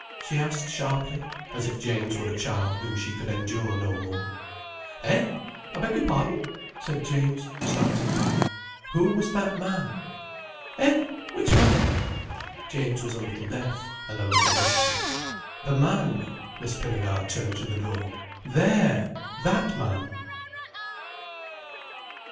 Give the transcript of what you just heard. she asked sharply, as if James were a child whom she could endure no more. "Eh? I beg your pardon?" said James, starting back. "Who was that man?" "Eh? Which man?" James was a little deaf, and a little husky. "The man—" Miss Pinnegar turned to the door. "There! That man!"